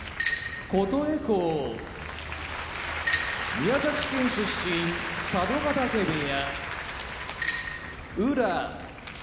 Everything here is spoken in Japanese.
宮崎県出身佐渡ヶ嶽部屋宇良